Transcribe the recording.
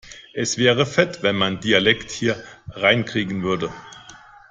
Es wäre fett, wenn man Dialekt hier reinkriegen würde.